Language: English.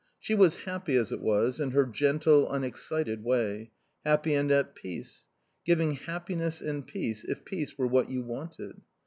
She was happy, as it was, in her gentle, unexcited way. Happy and at peace. Giving happiness and peace, if peace were what you wanted.